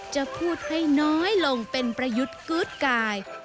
จะพูดให้น้อยลงเป็นประยุทธ์กื๊ดกาย